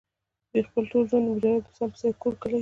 دوي خپل ټول ژوند د مجرد انسان پۀ حېث د کور کلي نه